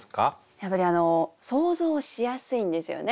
やっぱり想像しやすいんですよね。